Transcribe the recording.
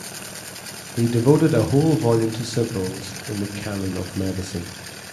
He devoted a whole volume to simples in "The Canon of Medicine".